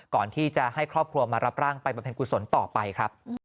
ก่อนที่จะให้ครอบครัวมารับร่างไปประเภนกุศลต่อไปครับ